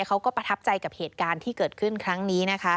เขาก็ประทับใจกับเหตุการณ์ที่เกิดขึ้นครั้งนี้นะคะ